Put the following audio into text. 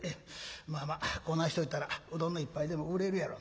まあまあこなんしといたらうどんの一杯でも売れるやろ。